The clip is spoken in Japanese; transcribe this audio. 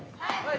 はい！